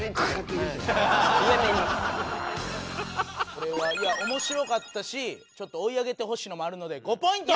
これは面白かったしちょっと追い上げてほしいのもあるので５ポイント！